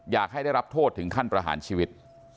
อยากให้ได้รับโทษถึงขั้นประหารชีวิต